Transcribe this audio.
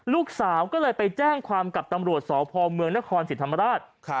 ลูกสาวก็เลยไปแจ้งความกับตำรวจสพเมืองนครสิทธิ์ธรรมราช